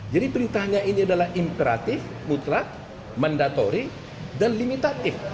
jadi perintahnya ini adalah imperatif mutlak mandatori dan limitatif